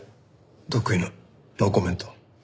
得意のノーコメント？